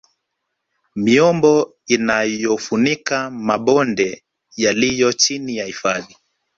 Miombo inayofunika mabonde yaliyo chini ya hifadhi